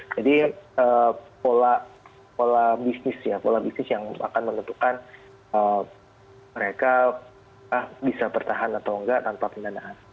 jadi pola bisnis ya pola bisnis yang akan menentukan mereka bisa bertahan atau enggak tanpa pendanaan